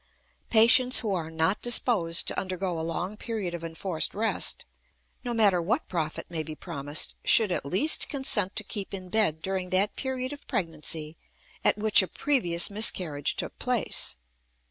Patients who are not disposed to undergo a long period of enforced rest, no matter what profit may be promised, should at least consent to keep in bed during that period of pregnancy at which a previous miscarriage took place.